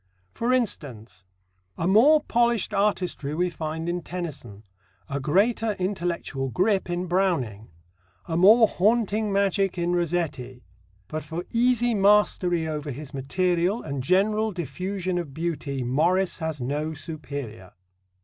For instance: A more polished artistry we find in Tennyson; a greater intellectual grip in Browning; a more haunting magic in Rossetti; but for easy mastery over his material and general diffusion of beauty Morris has no superior.